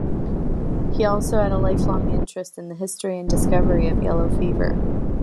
He also had a lifelong interest in the history and discovery of yellow fever.